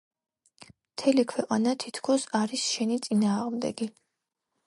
მთელი ქვეყანა თითქოს არის შენი წინააღმდეგი.